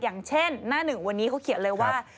อย่างเช่นหน้าหนึ่งวันนี้เขาเขียนเลยว่า